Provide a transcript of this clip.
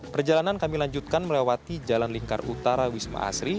perjalanan kami lanjutkan melewati jalan lingkar utara wisma asri